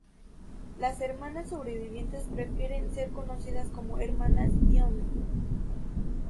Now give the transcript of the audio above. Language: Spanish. Las hermanas sobrevivientes prefieren ser conocidas como "hermanas Dionne".